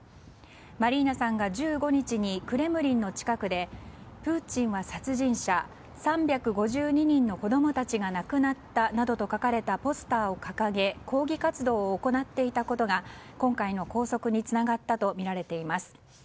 マリーナさんが１５日にクレムリンの近くでプーチンは殺人者３５２人の子供たちが亡くなったなどと書かれたポスターを掲げ抗議活動を行っていたことが今回の拘束につながったとみられています。